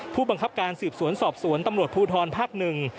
ผู้บังคับการสืบสวนสอบสวนตำรวจภูทรภาคหนึ่ง